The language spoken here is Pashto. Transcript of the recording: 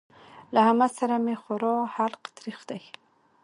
له احمد سره مې خورا حلق تريخ دی.